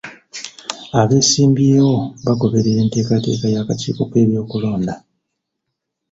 Abeesimbyewo bagoberera enteekateeka y'akakiiko k'ebyokulonda.